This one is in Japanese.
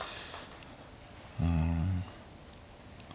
うん。